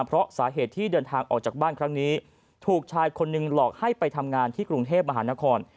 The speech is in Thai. เพราะสาเหตุที่เดินทางออกจากบ้านครั้งนี้ถูกชายคนหนึ่งหลอกให้ไปทำงานที่กรุงเทพมหานคร